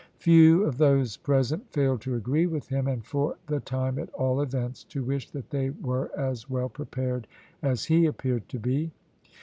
Few of those present failed to agree with him, and for the time, at all events, to wish that they were as well prepared as he appeared to be.